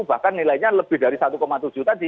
bahkan nilainya lebih dari satu tujuh tadi